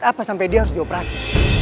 apa sampai dia harus dioperasi